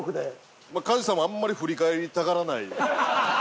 まあ加地さんはあんまり振り返りたがらない。